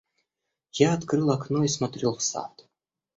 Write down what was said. Я открыл окно и смотрел в сад.